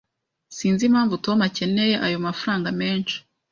Sinzi impamvu Tom akeneye ayo mafranga menshi.